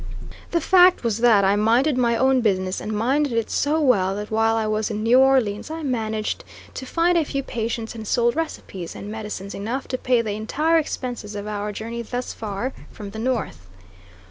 The fact was that I minded my own business, and minded it so well that while I was in New Orleans I managed to find a few patients and sold recipes and medicines enough to pay the entire expenses of our journey thus far, from the North.